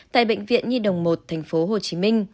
tại bệnh viện nhi đồng một tp hcm